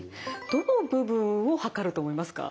どの部分を測ると思いますか？